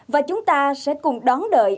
và chúng ta sẽ cùng đón đợi